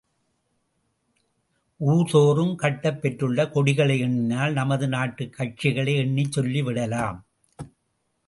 ஊர்தோறும் கட்டப்பெற்றுள்ள கொடிகளை எண்ணினால் நமது நாட்டுக் கட்சிகளை எண்ணிச் சொல்லிவிடலாம்!